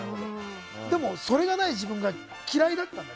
でも、それがない自分が嫌いだったの。